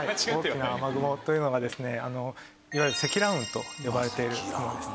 大きな雨雲というのがですねいわゆる積乱雲と呼ばれているものですね。